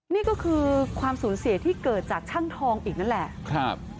นี่ก็คือความสูญเสียที่เกิดจากช่างทองอีกนั่นแหละครับ